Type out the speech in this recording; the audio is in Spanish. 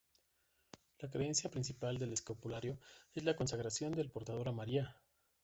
La creencia principal del escapulario es la consagración del portador a María.